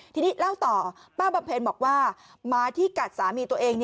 ทีนี้เล่าต่อป้าบำเพ็ญบอกว่าหมาที่กัดสามีตัวเอง